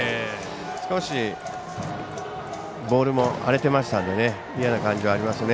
少し、ボールも荒れていましたので嫌な感じはありましたね。